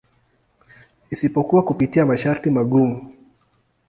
Isipokuwa kupitia masharti magumu.